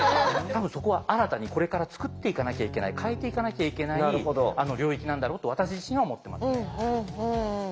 多分そこは新たにこれから作っていかなきゃいけない変えていかなきゃいけない領域なんだろうと私自身は思ってますね。